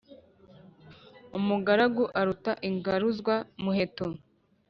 Umugaragu aruta ingaruzwa muheto.